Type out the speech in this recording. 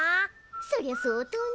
そりゃ相当ね。